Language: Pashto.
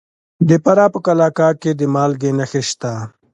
د فراه په قلعه کاه کې د مالګې نښې شته.